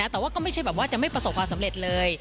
แต่ว่าก็ไม่ใช่แบบว่าจะไม่ประสบความสำเร็จเลย